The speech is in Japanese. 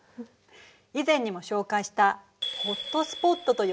以前にも紹介したホットスポットと呼ばれる場所覚えてる？